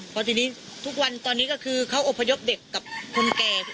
พอทีนี้ทุกวันตอนนี้ก็คือเขาอบพยพเด็กกับคนแก่